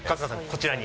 こちらに。